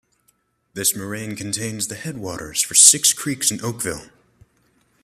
This moraine contains the headwaters for six creeks in Oakville.